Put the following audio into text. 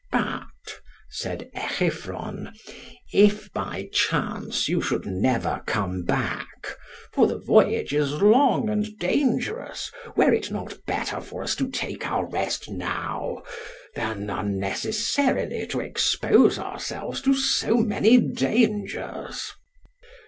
But, said Echephron, if by chance you should never come back, for the voyage is long and dangerous, were it not better for us to take our rest now, than unnecessarily to expose ourselves to so many dangers?